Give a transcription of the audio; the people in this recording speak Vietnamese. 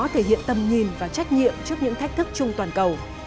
thể hiện tầm nhìn và trách nhiệm trước những thách thức chung toàn cầu